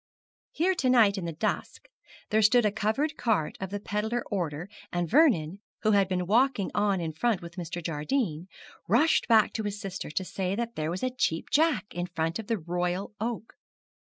Here to night in the dusk, there stood a covered cart of the peddler order and Vernon, who had been walking on in front with Mr. Jardine, rushed back to his sister to say that there was a Cheap Jack in front of the 'Royal Oak.'